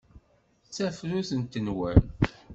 D tafrut n tenwalt.